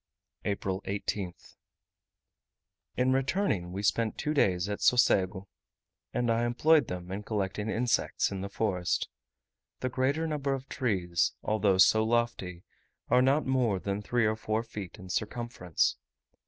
April 18th. In returning we spent two days at Socego, and I employed them in collecting insects in the forest. The greater number of trees, although so lofty, are not more than three or four feet in circumference.